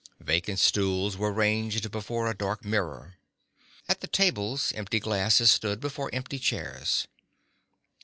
Vacant stools were ranged before a dark mirror. At the tables empty glasses stood before empty chairs.